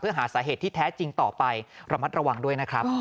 หาสาเหตุที่แท้จริงต่อไประมัดระวังด้วยนะครับ